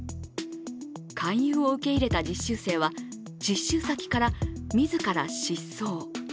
勧誘を受け入れた実習生は実習先から自ら失踪。